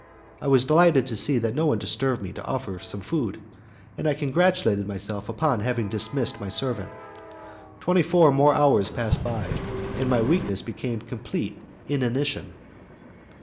I was delighted to see that no one disturbed me to offer me some food, and I congratulated myself upon having dismissed my servant. Twenty four more hours passed by, and my weakness became complete inanition.